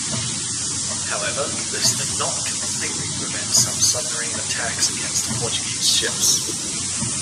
However, this did not completely prevent some submarine attacks against Portuguese ships.